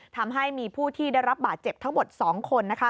ทำให้มีผู้ที่ได้รับบาดเจ็บทั้งหมด๒คน